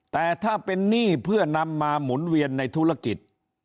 แต่ถ้าเป็นหนี้เพื่อนำมาหมุนเวียนในธุรกิจ